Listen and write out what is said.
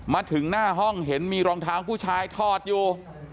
มาถึงหน้าห้องเห็นมีรองเท้าผู้ชายถอดอยู่